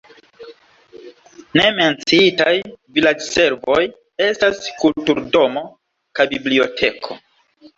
Ne menciitaj vilaĝservoj estas kulturdomo kaj biblioteko.